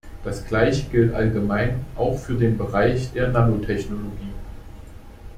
Das Gleiche gilt allgemein auch für den Bereich der Nanotechnologie.